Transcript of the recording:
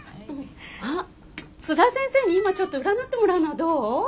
あっ津田先生に今ちょっと占ってもらうのはどう？